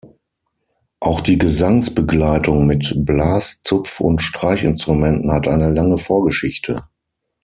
Auch die Gesangsbegleitung mit Blas-, Zupf- und Streichinstrumenten hat eine lange Vorgeschichte.